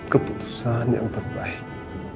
keputusan yang terbaik